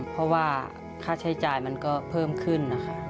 เพราะว่าค่าใช้จ่ายมันก็เพิ่มขึ้นนะคะ